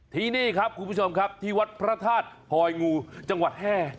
ที่นี่ครับคุณผู้ชมครับที่วัดพระธาตุหอยงูจังหวัดแห้